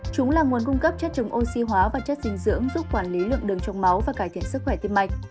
chúng là nguồn cung cấp chất chống oxy hóa và chất dinh dưỡng giúp quản lý lượng đường chống máu và cải thiện sức khỏe tim mạch